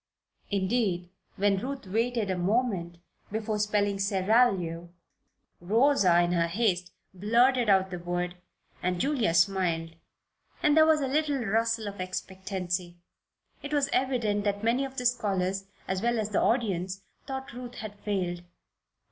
Indeed, when Ruth waited a moment before spelling "seraglio," Rosa in her haste blurted out the word, and Julia smiled and there was a little rustle of expectancy. It was evident that many of the scholars, as well as the audience, thought Ruth had failed.